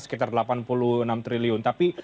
sekitar delapan puluh enam triliun tapi